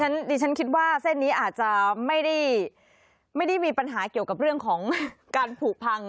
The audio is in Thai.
ดิฉันคิดว่าเส้นนี้อาจจะไม่ได้มีปัญหาเกี่ยวกับเรื่องของการผูกพัง